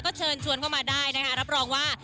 ก็เชิญชวนเข้ามาได้นะคะรับรองว่า